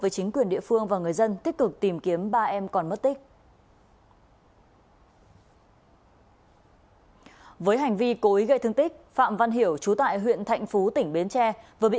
xin chào và hẹn gặp lại